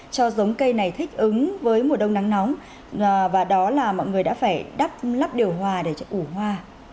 cho giống cây này thích ứng với mùa đông nắng nóng và đó là mọi người đã phải đắp điều hòa để ủ hoa